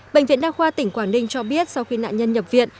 bệnh viện đa khoa tỉnh quảng ninh cho biết sau khi nạn nhân nhập viện